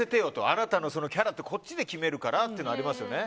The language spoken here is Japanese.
あなたのキャラってこっちで決めるからっていうのはありますよね。